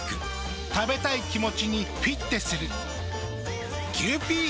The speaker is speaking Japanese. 食べたい気持ちにフィッテする。